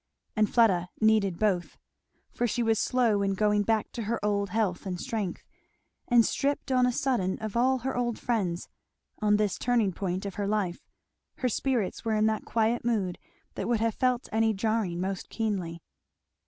And Fleda needed both, for she was slow in going back to her old health and strength; and stripped on a sudden of all her old friends, on this turning point of her life, her spirits were in that quiet mood that would have felt any jarring most keenly.